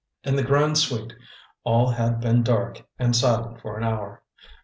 In the "Grande Suite" all had been dark and silent for an hour.